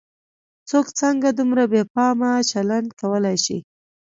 څوک څنګه دومره بې پامه چلن کولای شي.